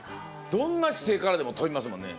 どんな姿勢からでも跳びますもんね。